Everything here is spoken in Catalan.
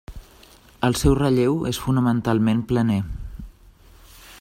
El seu relleu és fonamentalment planer.